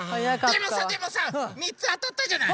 でもさでもさ３つあたったじゃない。